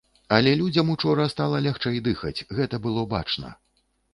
Але людзям учора стала лягчэй дыхаць, гэта было бачна.